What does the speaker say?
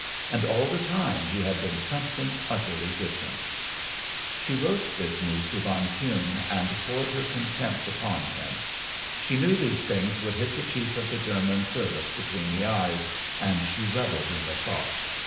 And all the time he had been something utterly different. She wrote this news to von Kuhne, and poured her contempt upon him. She knew these things would hit the chief of the German service between the eyes, and she revelled in the thought.